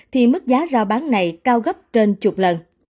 thì mức giá giao bán này cao gấp trên chục lần